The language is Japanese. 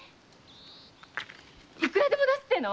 いくらでも出すって言うの？